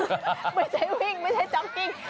ไม่ใช่วิ่งไม่ใช่จับกิ้ง